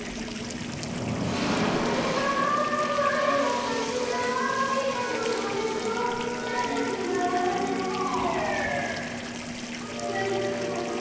まわれまわれわたし何かもとめ止まらずまわれ何かが足りない。